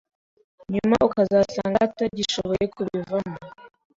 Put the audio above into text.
nyuma ukazasanga atagishoboye kubivamo.